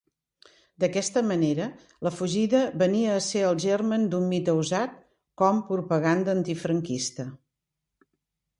D'aquesta manera, la fugida venia a ser el germen d'un mite usat com propaganda antifranquista.